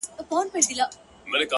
زه به غمو ته شاعري كومه؛